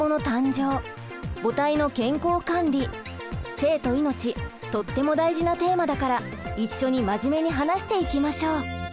性と命とっても大事なテーマだから一緒に真面目に話していきましょう。